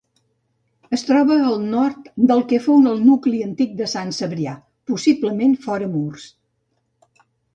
Es troba al nord del que fou nucli antic de Sant Cebrià, possiblement fora murs.